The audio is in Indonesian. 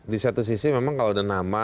di satu sisi memang kalau ada nama